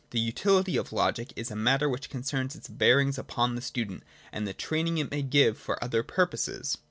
The utility of Logic is a matter which concerns its bearings upon the student, and the training it may give for other purposes.